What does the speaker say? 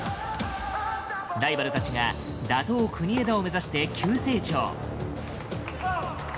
ライバルたちが打倒、国枝を目指して急成長。